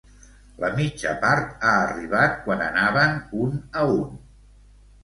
La mitja part ha arribat quan anaven un a un.